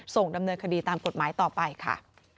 ส่งดำเนินคดีตามกฎหมายต่อไปค่ะ